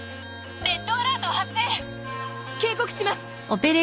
レッドアラート発生！警告します！